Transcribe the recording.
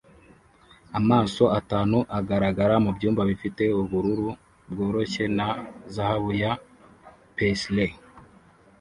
Amaso atanu agaragara mubyumba bifite ubururu bworoshye na zahabu ya paisley